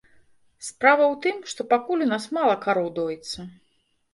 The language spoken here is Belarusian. Справа ў тым, што пакуль у нас мала кароў доіцца.